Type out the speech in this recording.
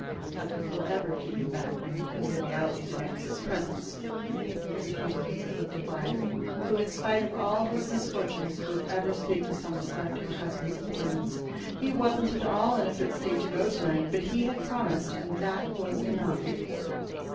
"Nothing will ever keep him back when conviviality demands his presence." This came from his afflicted wife, who, in spite of all his misfortunes, would ever speak with some respect of her husband's employments. "He wasn't at all in a fit state to go to night, but he had promised, and that was enough."